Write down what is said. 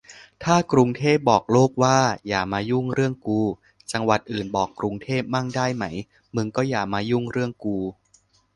ถ้ากรุงเทพบอกโลกว่า อย่ามายุ่งเรื่องกู จังหวัดอื่นบอกกรุงเทพมั่งได้ไหม มึงก็อย่ามายุ่งเรื่องกู